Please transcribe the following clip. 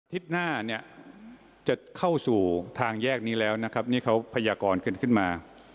หน้าเนี่ยจะเข้าสู่ทางแยกนี้แล้วนะครับนี่เขาพยากรกันขึ้นมา